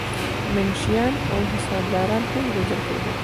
منشیان او حسابداران هم روزل کېدل.